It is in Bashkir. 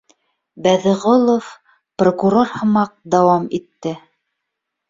Бәҙеғолов прокурор һымаҡ дауам итте: